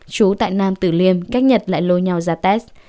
chú tại nam tử liêm cách nhật lại lôi nhau ra test